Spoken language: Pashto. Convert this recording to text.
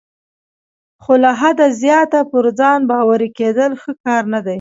خو له حده زیات پر ځان باوري کیدل ښه کار نه دی.